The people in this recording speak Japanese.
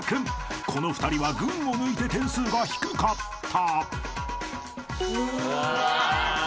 ［この２人は群を抜いて点数が低かった］